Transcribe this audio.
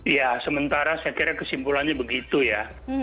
ya sementara saya kira kesimpulannya begitu ya